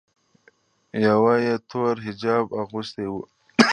یوه یې تور حجاب اغوستی و.